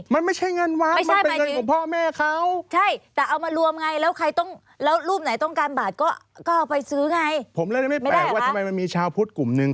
ไม่ได้เหรอคะผมเล่นไม่แปลกว่าทำไมมันมีชาวพุธกลุ่มหนึ่ง